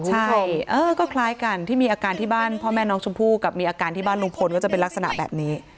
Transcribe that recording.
ใช่เออก็คล้ายกันที่มีอาการที่บ้านพ่อแม่น้องชมพู่กับมีอาการที่บ้านลุงพลก็จะเป็นลักษณะแบบนี้